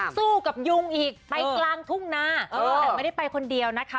สู้กับยุงอีกไปกลางทุ่งนาแต่ไม่ได้ไปคนเดียวนะคะ